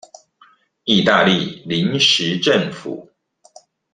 義大利臨時政府